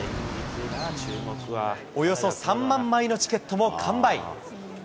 およそ３万枚のチケットも完売。